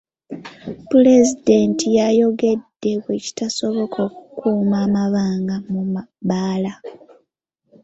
Pulezidenti yayogedde bwe kitasoboka okukuuma amabanga mu mabbaala.